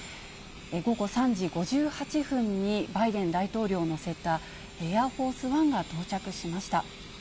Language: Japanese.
午後３時５８分に、バイデン大統領を乗せたエアフォースワンが到着しました。